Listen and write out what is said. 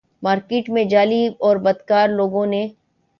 market میں جعلی اور بدکردار لوگوں نے